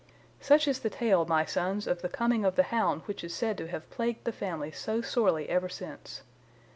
"Such is the tale, my sons, of the coming of the hound which is said to have plagued the family so sorely ever since.